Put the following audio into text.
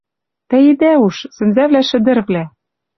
Тӓ идӓ уж, сӹнзӓвлӓ-шӹдӹрвлӓ